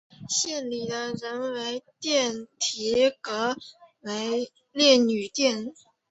县里的人为庙题额为烈女庙。